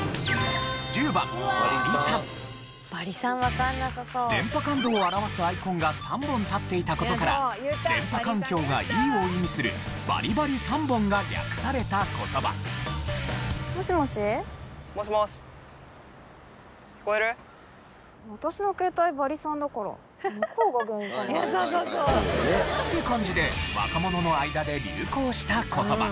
果たして電波感度を表すアイコンが３本立っていた事から電波環境がいいを意味するバリバリ３本が略された言葉。という感じで若者の間で流行した言葉。